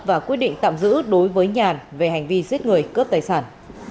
và quyết định tạm giữ đối với nhàn về hành vi giết người cướp tài sản